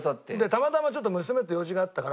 たまたまちょっと娘と用事があったから。